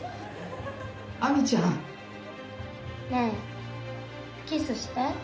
アミちゃん。ねえキスして？